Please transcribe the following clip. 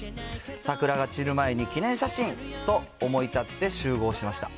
桜が散る前に記念写真と思い立って集合しました。